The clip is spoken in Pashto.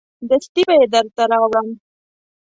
دستي به یې درته راوړم.